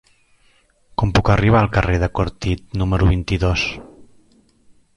Com puc arribar al carrer de Cortit número vint-i-dos?